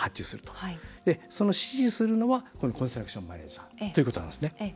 その指示するのはコンストラクションマネージャーということなんですね。